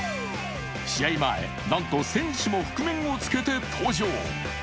試合前、なんと選手も覆面をつけて登場。